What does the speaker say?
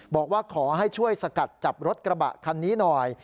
บอกว่าขอให้ช่วยสกัดจับรถกระบะคันนี้หน่อย